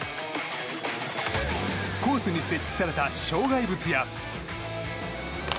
コースに設置された障害物や。